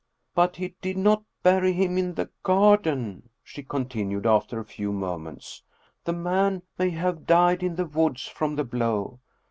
" But he did not bury him in the garden," she continued after a few moments. " The man may have died in the woods from the blow.